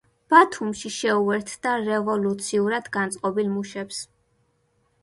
ბათუმში შეუერთდა რევოლუციურად განწყობილ მუშებს.